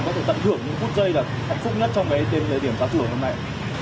có thể tận hưởng những phút giây là hạnh phúc nhất trong lợi điểm giao thưởng hôm nay